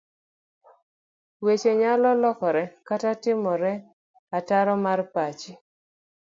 Weche nyalo lokore kata timore otaro mar pachi.